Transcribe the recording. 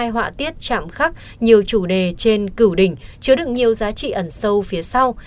một trăm sáu mươi hai họa tiết chạm khắc nhiều chủ đề trên cửu đỉnh chứa đựng nhiều giá trị ẩn sâu phía sau